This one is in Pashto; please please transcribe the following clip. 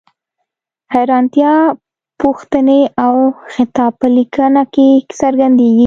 حیرانتیا، پوښتنې او خطاب په لیکنه کې څرګندیږي.